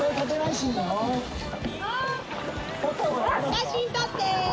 写真撮って。